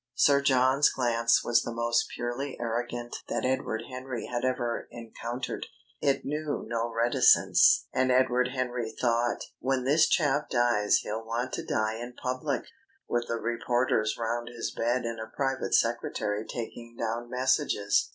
Sir John's glance was the most purely arrogant that Edward Henry had ever encountered. It knew no reticence. And Edward Henry thought: "When this chap dies he'll want to die in public, with the reporters round his bed and a private secretary taking down messages."